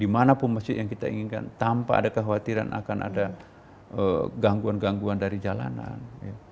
kita bisa di mana pun masjid yang kita inginkan tanpa ada kekhawatiran akan ada gangguan gangguan dari jalanan